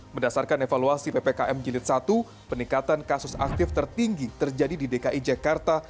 berdasarkan evaluasi ppkm jilid satu peningkatan kasus aktif tertinggi terjadi di dki jakarta